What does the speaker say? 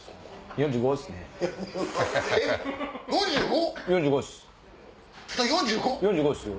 ４５ですよ。